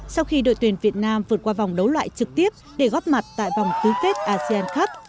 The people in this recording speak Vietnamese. sau khi đội tuyển việt nam vượt qua vòng đấu loại trực tiếp để góp mặt tại vòng tứ kết asean cup